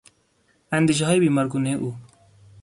اندیشههای بیمارگونهی او